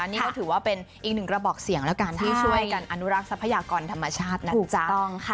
นี่ก็ถือว่าเป็นอีกหนึ่งกระบอกเสียงแล้วกันที่ช่วยกันอนุรักษ์ทรัพยากรธรรมชาตินะจ๊ะ